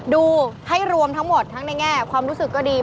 ดูให้รวมทั้งหมดทั้งในแง่ความรู้สึกก็ดี